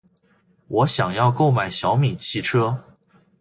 我想要购买小米汽车。